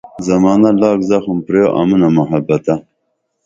زمانہ لاکھ زخم پریو امونہ محبتہ